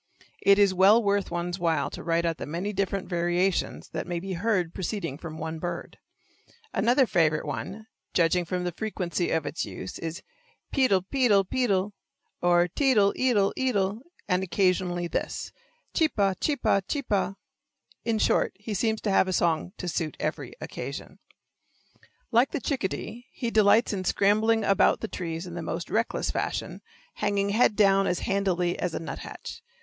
It is well worth one's while to write out the many different variations that may be heard proceeding from one bird. Another favorite one, judging from the frequency of its use, is: Pe dl', pe dl', pe dl', or te dl', e dl' e dl', and occasionally this: Chee pa, chee pa, chee pa. In short, he seems to have a song to suit every occasion. Like the chickadee, he delights in scrambling about the trees in the most reckless fashion, hanging head down as handily as a nuthatch.